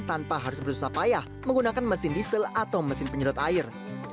tanpa harus berusaha payah menggunakan mesin diesel atau mesin penyedot air